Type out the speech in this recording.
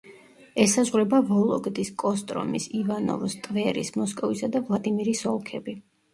ესაზღვრება ვოლოგდის, კოსტრომის, ივანოვოს, ტვერის, მოსკოვისა და ვლადიმირის ოლქები.